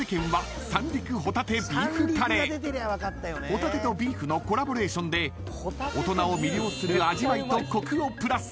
［ホタテとビーフのコラボレーションで大人を魅了する味わいとコクをプラス］